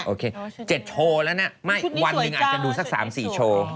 โอเค๗โชว์แล้วนะไม่วันหนึ่งอาจจะดูสัก๓๔โชว์